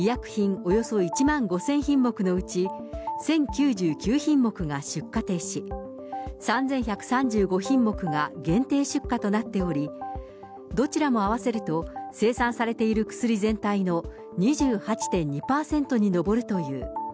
およそ１万５０００品目のうち１０９９品目が出荷停止、３１３５品目が限定出荷となっており、どちらも合わせると、生産されている薬全体の２８．２％に上るという。